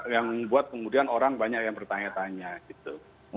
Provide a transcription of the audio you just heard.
yang membuat kemudian orang banyak yang bertanya tanya gitu